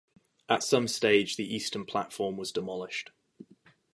At some stage the eastern platform was demolished.